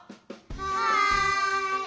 はい！